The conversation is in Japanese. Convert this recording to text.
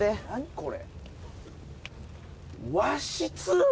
これ。